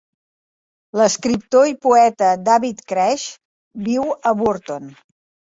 L'escriptor i poeta David Craig viu a Burton.